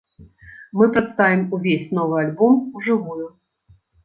Мы прадставім увесь новы альбом у жывую.